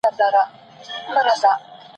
په بشري ټولنو کي پرمختګ یوه طبیعي چاره ده.